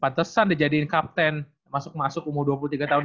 pantesan dijadiin kapten masuk masuk umur dua puluh tiga tahun